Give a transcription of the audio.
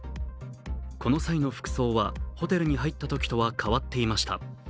この際の服装はホテルに入ったときとは替わっていました。